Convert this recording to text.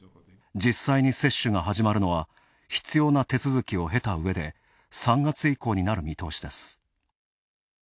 実際に接種が始まるのは必要な手続きを経たうえで３月以降になる見通しです。